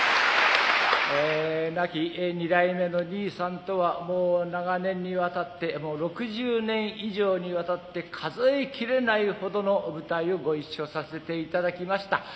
亡き二代目のにいさんとはもう長年にわたってもう６０年以上にわたって数え切れないほどの舞台をご一緒させていただきました。